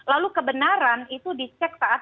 lalu kebenaran itu dicek saat